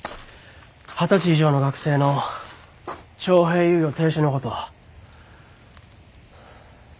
二十歳以上の学生の徴兵猶予停止のこと。